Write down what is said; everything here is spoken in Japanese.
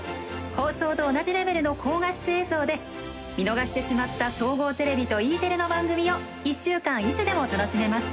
放送と同じレベルの高画質映像で見逃してしまった総合テレビとＥテレの番組を１週間いつでも楽しめます。